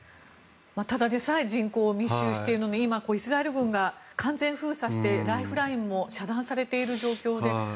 ただでさえ人口が密集しているのに今、イスラエル軍が完全封鎖してライフラインも遮断されている状況で。